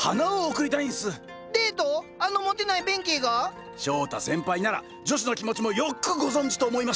あのモテない弁慶が⁉翔太先輩なら女子の気持ちもよっくご存じと思いまして。